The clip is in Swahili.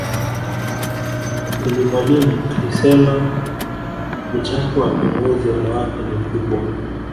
ummy mwalimu alisema mchango wa viongozi wanawake ni mkubwa